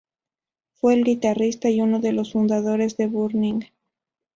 Fue el guitarrista y uno de los fundadores de Burning.